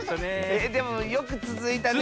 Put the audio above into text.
えでもよくつづいたね。